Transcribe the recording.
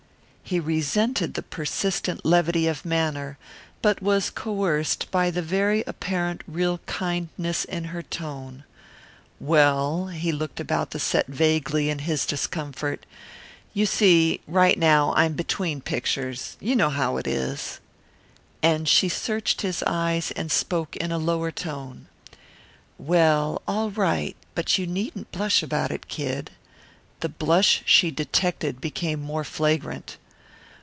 He resented the persistent levity of manner, but was coerced by the very apparent real kindness in her tone. "Well," he looked about the set vaguely in his discomfort, "you see, right now I'm between pictures you know how it is." Again she searched his eyes and spoke in a lower tone: "Well, all right but you needn't blush about it, Kid." The blush she detected became more flagrant.